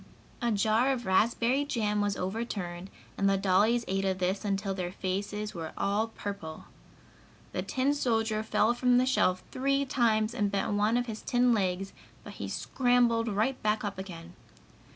A jar of raspberry jam was overturned and the dollies ate of this until their faces were all purple. The tin soldier fell from the shelf three times and bent one of his tin legs, but he scrambled right back up again.